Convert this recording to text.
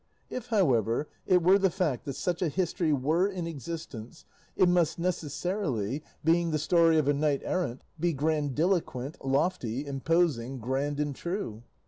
If, however, it were the fact that such a history were in existence, it must necessarily, being the story of a knight errant, be grandiloquent, lofty, imposing, grand and true.